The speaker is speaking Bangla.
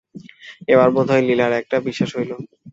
এবার বোধ হয় লীলার অনেকটা বিশ্বাস হইল।